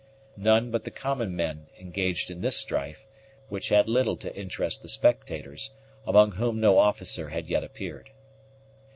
None but the common men engaged in this strife, which had little to interest the spectators, among whom no officer had yet appeared.